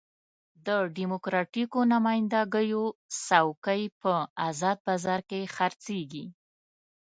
د ډیموکراتیکو نماینده ګیو څوکۍ په ازاد بازار کې خرڅېږي.